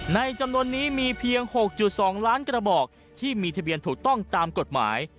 จำนวนนี้มีเพียง๖๒ล้านกระบอกที่มีทะเบียนถูกต้องตามกฎหมาย